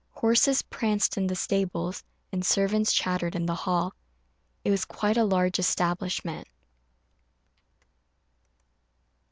Horses pranced in the stables, and servants chattered in the hall it was quite a large establishment.